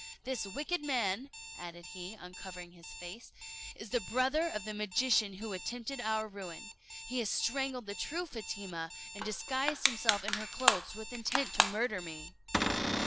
This wicked man," added he, uncovering his face, "is the brother of the magician who attempted our ruin. He has strangled the true Fatima, and disguised himself in her clothes with intent to murder me."